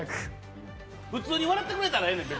普通に笑ってくれたらええねん。